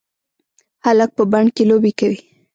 هلک په بڼ کې لوبې کوي.